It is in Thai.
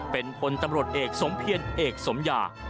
เป็นพลตำรวจเอกสมเพียรเอกสมยา